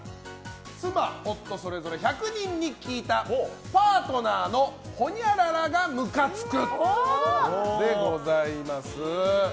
妻・夫それぞれ１００人に聞いたパートナーのほにゃららがムカつく！